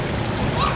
おい！